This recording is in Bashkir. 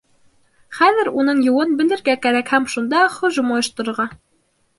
Хәҙер уның юлын белергә кәрәк һәм шунда һөжүм ойошторорға!